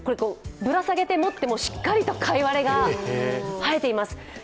ぶら下げて持ってもしっかりとかいわれが生えています。